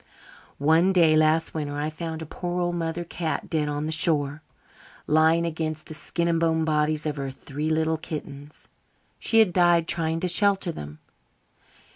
"One day last winter I found a poor old mother cat dead on the shore, lying against the skin and bone bodies of her three little kittens. She had died trying to shelter them.